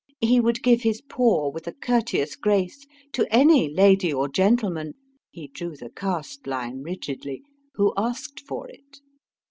He would give his paw with a courteous grace to any lady or gentleman he drew the caste line rigidly who asked for it.